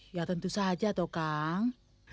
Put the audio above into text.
ya tentu saja tokang